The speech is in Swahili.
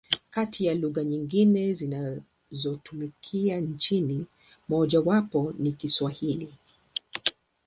Kati ya lugha nyingine zinazotumika nchini, mojawapo ni Kiswahili.